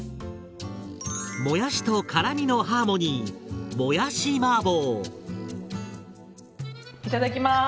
もやしと辛みのハーモニーいただきます！